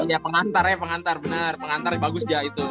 iya pengantar ya pengantar bener pengantar ya bagus aja itu